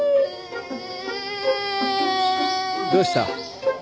どうした？